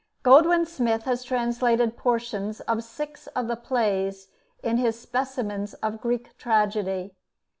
Goldwin Smith has translated portions of six of the plays in his 'Specimens of Greek Tragedy.'